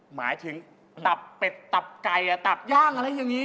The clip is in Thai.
หมายถึงตับเป็ดตับไก่ตับย่างอะไรอย่างนี้